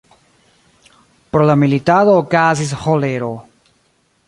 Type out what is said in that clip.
Pro la militado okazis ĥolero.